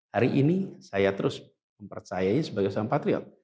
dan trovau believes beliau adalah seorang patriot